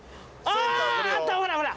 あったほらほら